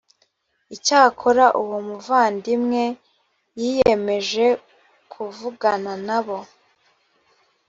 icyakora uwo muvandimwe yiyemeje kuvugana na bo